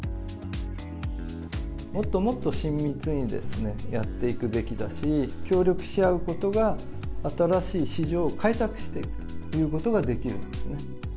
もっともっと親密にやっていくべきだし、協力し合うことが、新しい市場を開拓していくということができるんですね。